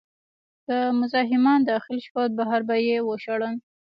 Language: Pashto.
که مزاحمان داخل شول، بهر به یې وشړل.